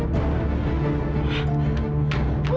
aku akan menangkanmu